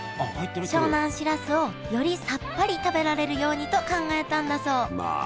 湘南しらすをよりさっぱり食べられるようにと考えたんだそうまあ。